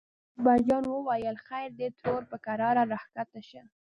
اکبر جان وویل: خیر دی ترور په کراره راکښته شه.